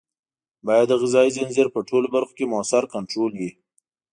باید د غذایي ځنځیر په ټولو برخو کې مؤثر کنټرول وي.